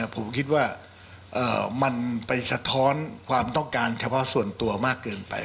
ผมคิดว่ามันไปสะท้อนความต้องการเฉพาะส่วนตัวมากเกินไป